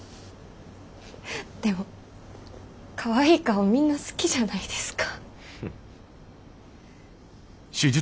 でもかわいい顔みんな好きじゃないですか。